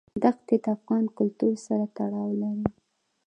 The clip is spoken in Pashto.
دښتې د افغان کلتور سره تړاو لري.